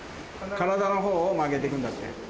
体のほうを曲げて行くんだって。